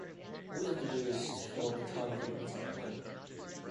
All we have to do is to fill up the time-frequency plane.